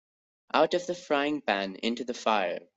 Out of the frying-pan into the fire.